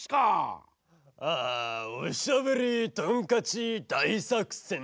あ「おしゃべりトンカチだいさくせん」